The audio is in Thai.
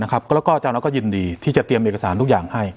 แล้วก็อาจารย์น็อตก็ยินดีที่จะเตรียมเอกสารทุกอย่างให้